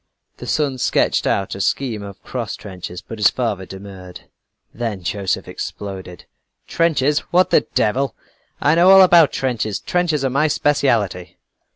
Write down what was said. The son sketched out a scheme of cross trenches, but his father demurred then Joseph exploded: "Trenches! What the devil! I know all about trenches; trenches are my specialty."